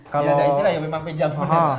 ya istilahnya memang pinjam